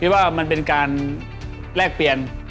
ว่ามันเป็นการแลกเปลี่ยน